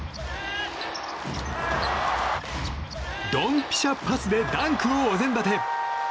ドンピシャパスでダンクをお膳立て。